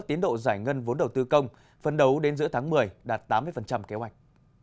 tiến độ giải ngân vốn đầu tư công phân đấu đến giữa tháng một mươi đạt tám mươi kế hoạch